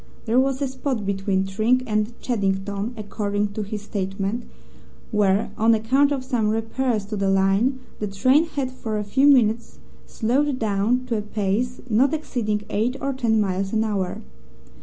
There was a spot between Tring and Cheddington, according to his statement, where, on account of some repairs to the line, the train had for a few minutes slowed down to a pace not exceeding eight or ten miles an hour.